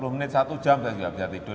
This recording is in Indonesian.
tiga puluh menit satu jam saya juga bisa tidur